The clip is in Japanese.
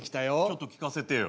ちょっと聞かせてよ。